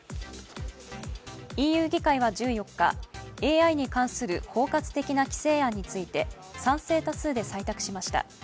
ＥＵ議会は１４日、ＡＩに関する包括的な規制案について賛成多数で採択しました。